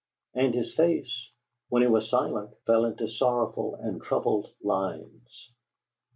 And his face, when he was silent, fell into sorrowful and troubled lines.